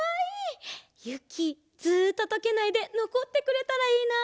ずっととけないでのこってくれたらいいな。